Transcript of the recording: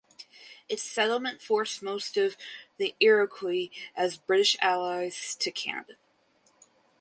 Its settlement forced most of the Iroquois as British allies to Canada.